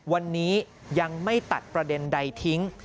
วันนี้ยังไม่ตัดประเด็นใดทิ้ง